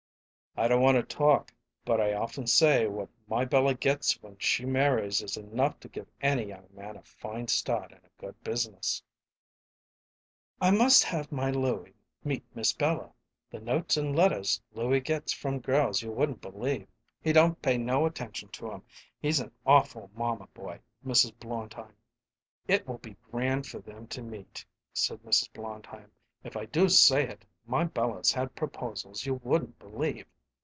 "I don't want to talk but I often say what my Bella gets when she marries is enough to give any young man a fine start in a good business." "I must have my Louie meet Miss Bella. The notes and letters Louie gets from girls you wouldn't believe; he don't pay no attention to 'em. He's an awful mamma boy, Mrs. Blondheim." "It will be grand for them to meet," said Mrs. Blondheim. "If I do say it, my Bella's had proposals you wouldn't believe!